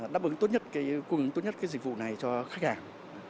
đáp ứng tốt nhất cái dịch vụ này cho khách hàng